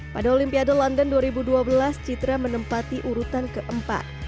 pada olimpiade london dua ribu dua belas citra menempati urutan keempat